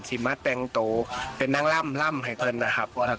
ที่มาแต่งโตเป็นนั่งร่ำร่ำให้เกินนะครับ